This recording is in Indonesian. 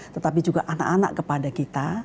tetapi juga anak anak kepada kita